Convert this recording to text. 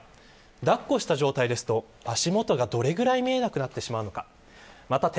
抱っこした状態ですと足元がどれくらい見えなくなってしまうのか。